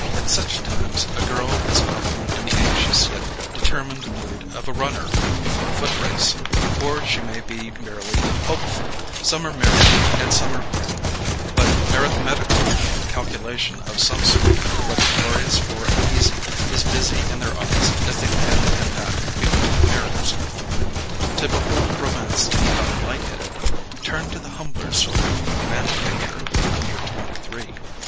At such times a girl is often in the anxious yet determined mood of a runner before a foot race, or she may be merely hopeful; some are merry and some are grim, but arithmetical calculation of some sort, whether glorious or uneasy, is busy in their eyes as they pin and pat before their mirrors. To behold romance gone light headed, turn to the humbler sort of man creature under twenty three.